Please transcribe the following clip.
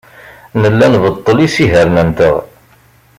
Nella nbeṭṭel isihaṛen-nteɣ.